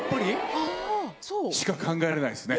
あぁそう？しか考えられないですね。